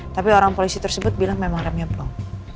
tapi orang polisi tersebut bilang memang remnya blok